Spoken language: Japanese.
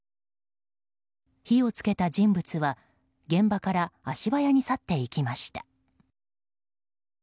火をつけた人物は現場から足早に去っていきました。